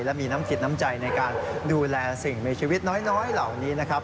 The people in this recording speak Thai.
และมีน้ำจิตน้ำใจในการดูแลสิ่งมีชีวิตน้อยเหล่านี้นะครับ